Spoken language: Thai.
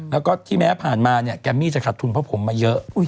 แล้วก็ที่แม้ผ่านมาเนี่ยแกมมี่จะขัดทุนเพราะผมมาเยอะ